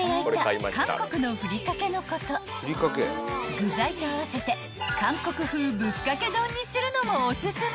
［具材と合わせて韓国風ぶっかけ丼にするのもおすすめ］